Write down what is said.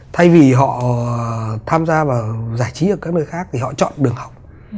thay vì họ tham gia vào giải trí ở các nơi khác thì họ chọn đường học